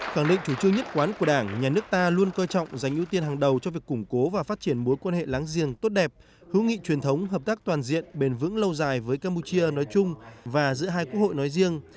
khẳng định chủ trương nhất quán của đảng nhà nước ta luôn coi trọng dành ưu tiên hàng đầu cho việc củng cố và phát triển mối quan hệ láng giềng tốt đẹp hữu nghị truyền thống hợp tác toàn diện bền vững lâu dài với campuchia nói chung và giữa hai quốc hội nói riêng